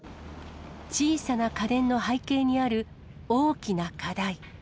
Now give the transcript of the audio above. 小さな家電の背景にある大きな課題。